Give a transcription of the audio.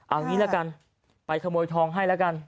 เอางี้ละกันไปขโมยทองให้แล้วกัน